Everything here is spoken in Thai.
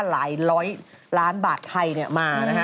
หลายร้อยล้านบาทไทยมานะฮะ